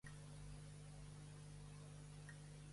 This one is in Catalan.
L'Iu s'ho ha de sentir quan se'n va per les Espanyes.